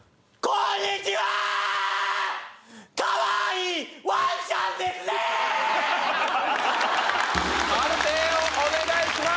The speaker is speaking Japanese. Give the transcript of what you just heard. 判定をお願いします！